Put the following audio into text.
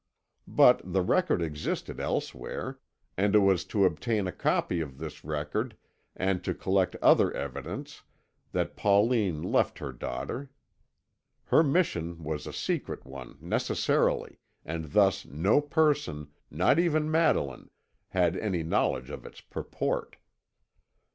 But the record existed elsewhere, and it was to obtain a copy of this record, and to collect other evidence, that Pauline left her daughter. Her mission was a secret one, necessarily, and thus no person, not even Madeline, had any knowledge of its purport.